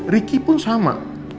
riki pun sama